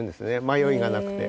まよいがなくて。